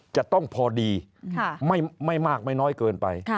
จะต้องพอดีไม่มากไม่น้อยเกินไป